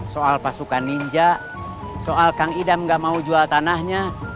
soal pasukan ninja soal kang idam gak mau jual tanahnya